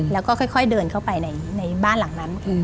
แล้วก็ค่อยเดินเข้าไปในบ้านหลังนั้น